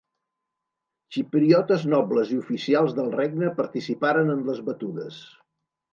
Xipriotes nobles i oficials del regne participaren en les batudes.